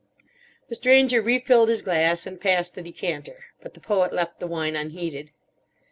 The Stranger refilled his glass, and passed the decanter. But the Poet left the wine unheeded.